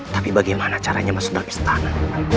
tapi bagaimana caranya masuk ke istana